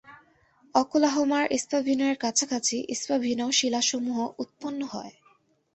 ওকলাহোমার স্পাভিনাও এর কাছাকাছি স্পাভিনাও শিলাসমূহ উৎপন্ন হয়।